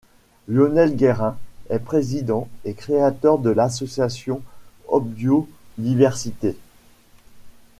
Lionel Guérin est Président et créateur de l'association Hopbiodiversité.